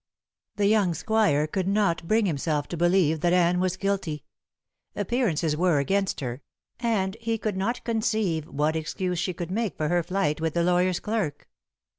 The young squire could not bring himself to believe that Anne was guilty. Appearances were against her, and he could not conceive what excuse she could make for her flight with the lawyer's clerk.